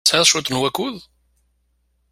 Tesɛiḍ cwiṭ n wakud?